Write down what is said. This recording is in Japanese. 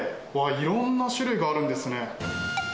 いろんな種類があるんですね。